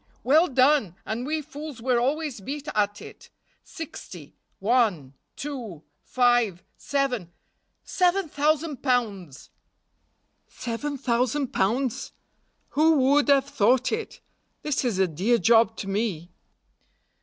"Well done! and we fools were always beat at it. Sixty one two five seven. Seven thousand pounds." "Seven thousand pounds! Who would have thought it? This is a dear job to me."